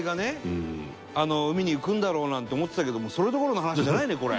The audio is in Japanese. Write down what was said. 海に浮くんだろう？なんて思ってたけどもそれどころの話じゃないねこれ」